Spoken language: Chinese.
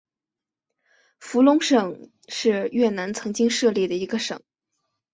福隆省是越南曾经设立的一个省。